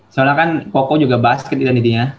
soalnya kan koko juga basket itu nantinya